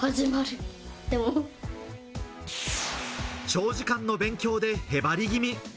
長時間の勉強でへばり気味。